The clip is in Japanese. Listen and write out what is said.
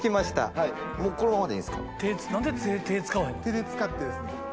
手使ってですね。